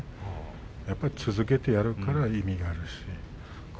やっぱり続けてやるから意味があるし。